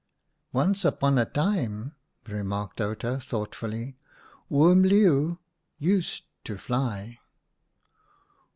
M Once upon a time," remarked Outa, thoughtfully, " Oom Leeuw used to fly."